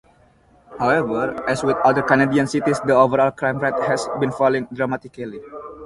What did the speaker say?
However, as with other Canadian cities, the overall crime rate has been falling "dramatically".